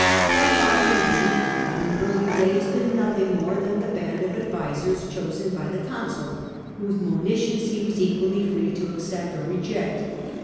That body, indeed, had in early days been nothing more than the band of advisers chosen by the consul, whose monitions he was equally free to accept or to reject.